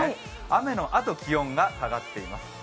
雨のあと、気温が下がっています。